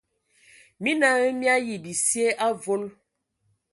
Mina hm mii ayi bisie avol.